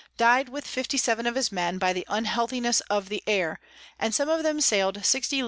died with 57 of his Men by the Unhealthiness of the Air; and some of them sail'd 60 Ls.